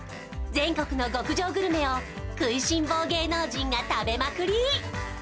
全国の極上グルメを食いしん坊芸能人が食べまくり！